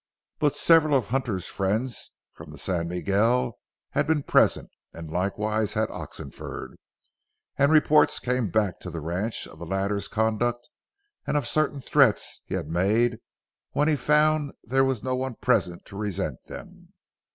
But several of Hunter's friends from the San Miguel had been present, as likewise had Oxenford, and reports came back to the ranch of the latter's conduct and of certain threats he had made when he found there was no one present to resent them.